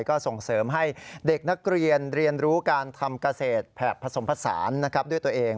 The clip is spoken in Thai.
ก็ส่งเสริมให้เด็กนักเรียนเรียนรู้การทำเกษตรแผบผสมผสานด้วยตัวเอง